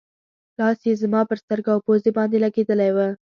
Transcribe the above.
لاس یې زما پر سترګو او پوزې باندې لګېدلی و.